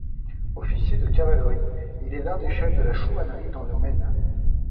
Officier de cavalerie, il est l'un des chefs de la chouannerie dans le Maine.